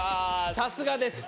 さすがです